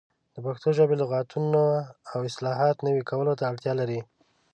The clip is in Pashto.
د پښتو ژبې لغتونه او اصطلاحات نوي کولو ته اړتیا لري.